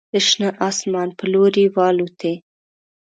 د شنه اسمان په لوري والوتې